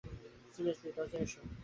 Seriously, দরজায় এসো।